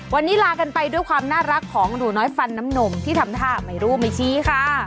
วันนี้ลากันไปด้วยความน่ารักของหนูน้อยฟันน้ำนมที่ทำท่าไม่รู้ไม่ชี้ค่ะ